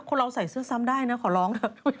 คนเราใส่เสื้อซ้ำได้นะขอร้อง